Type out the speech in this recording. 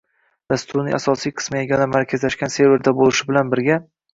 Dasturning asosiy qismi yagona markazlashgan serverda bo’lishi bilan birga